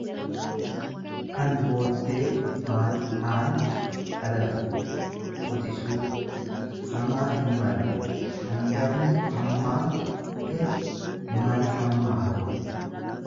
kan booddee Maan'aan dhalate, quxisuu; hamaa hinmalu, hangafni hammaa te mala hammaate.